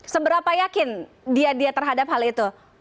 seberapa yakin dia dia terhadap hal itu